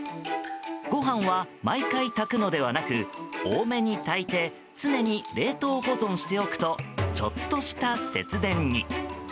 ご飯は、毎回炊くのではなく多めに炊いて常に冷凍保存しておくとちょっとした節電に。